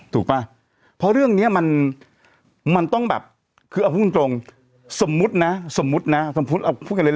ป่ะเพราะเรื่องเนี้ยมันมันต้องแบบคือเอาพูดตรงสมมุตินะสมมุตินะสมมุติเอาพูดกันเลย